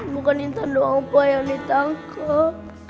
bukan intan doang pak yang ditangkap